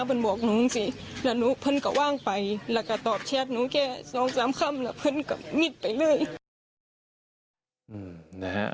เพื่อนบอกหนูสิแล้วหนูเพื่อนก็ว่างไปแล้วก็ตอบแชทหนูแค่๒๓คำ